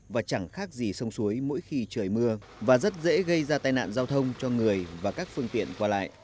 và chẳng khác gì sông suối mỗi khi trời mưa và rất dễ gây ra tai nạn giao thông cho người và các phương tiện qua lại